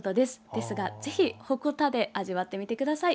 ですが、ぜひ鉾田で味わってみてください。